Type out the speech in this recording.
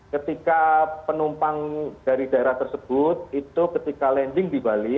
ketika penumpang dari daerah tersebut itu ketika landing di bali